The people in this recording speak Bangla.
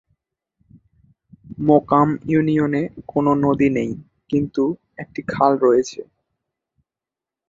মোকাম ইউনিয়নে কোন নদী নেই কিন্তু একটি খাল রয়েছে।